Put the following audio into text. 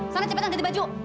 sana cepetan ganti baju